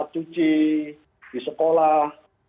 cuci di sekolah